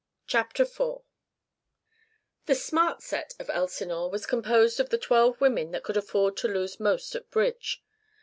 CHAPTER IV The "smart set" of Elsinore was composed of the twelve women that could afford to lose most at bridge.